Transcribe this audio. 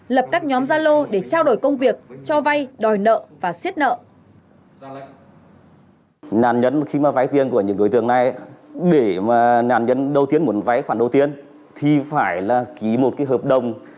lập các nhóm gia lô để trao đổi công việc cho vay đòi nợ và siết nợ